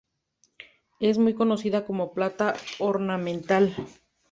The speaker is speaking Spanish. Es muy conocida como planta ornamental.